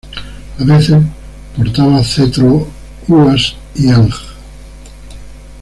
A veces, portaba cetro uas y anj.